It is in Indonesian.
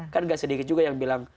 kan gak sedikit juga yang bilang